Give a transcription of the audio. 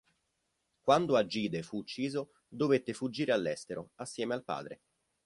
Quando Agide fu ucciso, dovette fuggire all'estero assieme al padre.